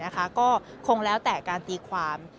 ก็คงแล้วแต่การตีความ